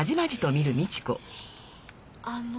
あの。